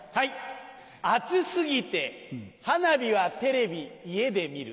暑過ぎて花火はテレビ家で見る。